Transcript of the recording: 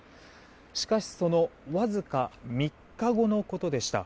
しかしそのわずか３日後のことでした。